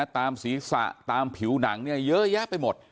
ตามศีรษะตามผิวหนังเยอะแยะไปหมด